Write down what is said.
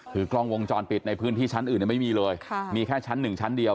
คือกล้องวงจรปิดในพื้นที่ชั้นอื่นไม่มีเลยมีแค่ชั้นหนึ่งชั้นเดียว